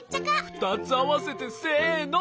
ふたつあわせてせの。